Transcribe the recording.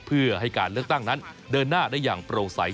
เพื่อให้การเลือกตั้งนั้นเดินหน้าได้อย่างโปร่งใส